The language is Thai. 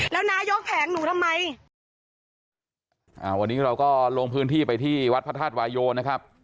แล้วน้ายกแผงหนูทำไมอ่าวันนี้เราก็ลงพื้นที่ไปที่วัดพระธาตุวายโยนะครับ